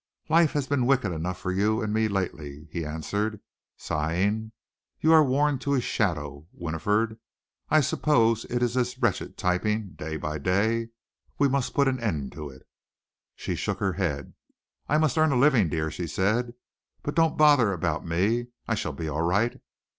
"Life has been wicked enough for you and me lately," he answered, sighing. "You are worn to a shadow, Winifred. I suppose it is this wretched typing, day by day. We must put an end to it." She shook her head. "I must earn a living, dear," she said. "But don't bother about me. I shall be all right.